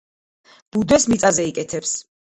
ბუდეს მიწაზე იკეთებს.